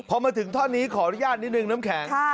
พอมาถึงท่อนนี้ขออนุญาตนิดนึงน้ำแข็ง